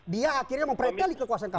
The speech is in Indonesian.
dia akhirnya mempreteli kekuasaan kpk